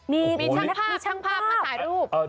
มีช่างภาพมาถ่ายรูป